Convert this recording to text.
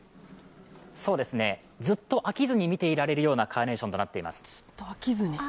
ずっと飽きずに見ていられるようなカーネーションになっています。